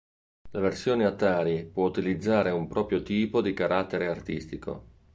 La versione Atari può utilizzare un proprio tipo di carattere artistico.